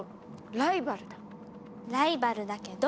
ライバルだけど。